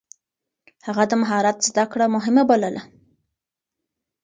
هغه د مهارت زده کړه مهمه بلله.